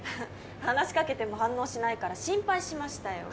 話しかけても反応しないから心配しましたよ。